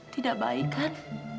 tidak baik kan